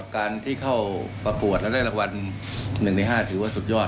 การที่เข้าประกวดแล้วได้รางวัล๑ใน๕ถือว่าสุดยอด